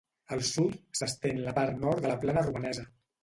Al sud s'estén la part nord de la Plana Romanesa.